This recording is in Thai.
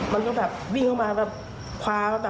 มันต้องวิ่งเข้ามาคว้า